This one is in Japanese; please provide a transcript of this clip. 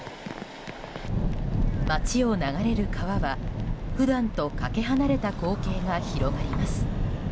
街を流れる川は普段とかけ離れた光景が広がります。